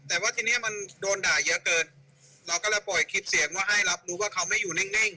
แต่ว่าทีนี้มันโดนด่าเยอะเกินเราก็เลยปล่อยคลิปเสียงว่าให้รับรู้ว่าเขาไม่อยู่นิ่ง